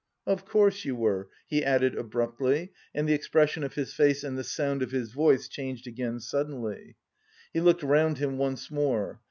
"Of course, you were," he added abruptly and the expression of his face and the sound of his voice changed again suddenly. He looked round him once more.